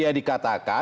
ini sudah terjadi